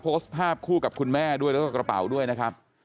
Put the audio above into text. โพสต์ภาพคู่กับคุณแม่ด้วยแล้วก็กระเป๋าด้วยนะครับ